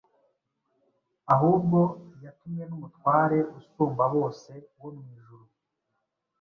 ahubwo yatumwe n’Umutware usumba bose wo mu ijuru.